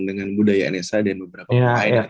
dengan budaya nya s warrior